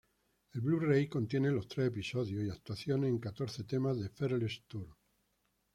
El Blu-ray contiene los tres episodios y actuaciones en catorce tomas de Fearless Tour.